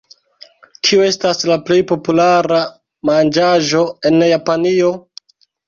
Kiu estas la plej populara manĝaĵo en Japanio?